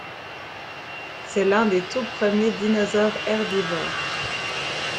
C'est l'un des tout premiers dinosaures herbivore.